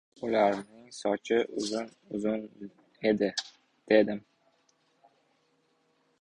— Ularning sochi uzun-uzun edi, — dedim.